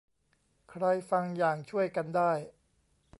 ใครฟังอย่างช่วยกันได้